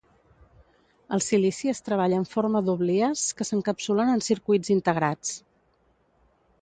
El silici es treballa en forma d'oblies que s'encapsulen en circuits integrats.